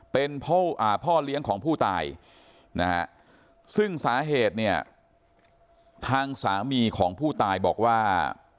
เป็นพ่อเลี้ยงของผู้ตายนะฮะซึ่งสาเหตุเนี่ยทางสามีของผู้ตายบอกว่า